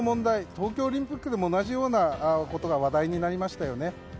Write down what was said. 東京オリンピックでも同じようなことが話題になりましたよね。